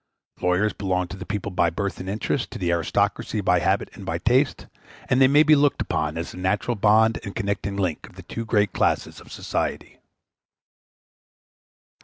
Lawyers belong to the people by birth and interest, to the aristocracy by habit and by taste, and they may be looked upon as the natural bond and connecting link of the two great classes of society.